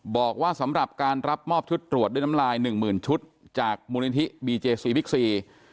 บอกว่าสำหรับการรับมอบชุดตรวจด้วยน้ำลายหนึ่งหมื่นชุดจากมูลนิธิบีเจซีบิ๊กซี